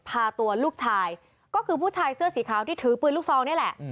พาตัวลูกชายก็คือผู้ชายเสื้อสีขาวที่ถือปืนลูกซองนี่แหละ